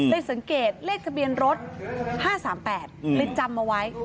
สังเกตเลขทะเบียนรถ๕๓๘เลยจำเอาไว้